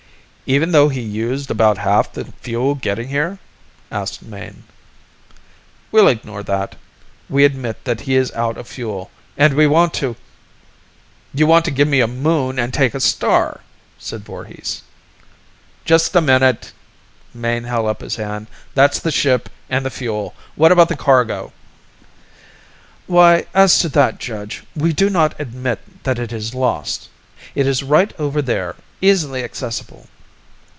"Even though he used about half the fuel getting here?" asked Mayne. "We'll ignore that. We admit that he is out of fuel, and we want to " "You want to give me a moon and take a star," said Voorhis. "Just a minute!" Mayne held up his hand. "That's the ship and the fuel. What about the cargo?" "Why, as to that, Judge, we do not admit that it is lost. It is right over there, easily accessible.